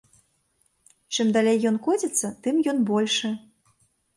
Чым далей ён коціцца, тым ён большы.